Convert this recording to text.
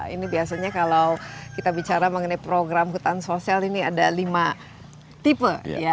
ini biasanya kalau kita bicara mengenai program hutan sosial ini ada lima tipe